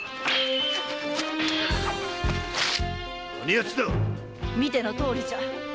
何奴だっ⁉見てのとおりじゃ。